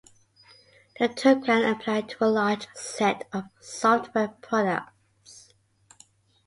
The term can apply to a large set of software products.